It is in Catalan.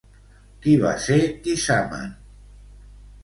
Qui va ser Tisamen?